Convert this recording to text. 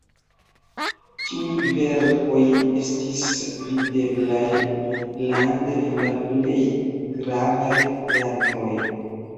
Tiuj verkoj estis videblaj tutlande en la plej gravaj teatroj.